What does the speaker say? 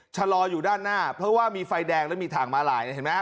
ชะลอยอยู่ด้านหน้าเพราะว่ามีไฟแดงแล้วมีถ่างมาหลายนี่เห็นมั้ยฮะ